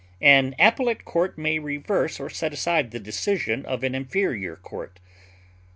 An appellate court may reverse or set aside the decision of an inferior court.